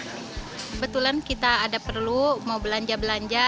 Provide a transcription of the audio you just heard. kebetulan kita ada perlu mau belanja belanja